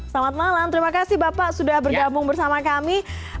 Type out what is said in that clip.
selamat malam terima kasih bapak sudah bergabung bersama kami